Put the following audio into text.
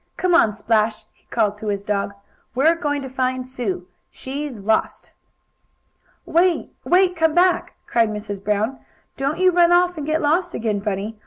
"Come on, Splash!" he called to his dog. "We're going to find Sue; she's lost!" "Wait! Wait! Come back!" cried Mrs. Brown. "Don't you run off and get lost again, Bunny!